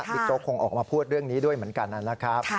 โจ๊กคงออกมาพูดเรื่องนี้ด้วยเหมือนกันนะครับ